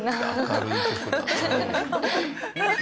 明るい曲だね。